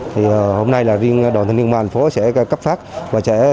thì hôm nay là riêng đoàn thanh niên ma thành phố sẽ có hơn bốn trăm linh chai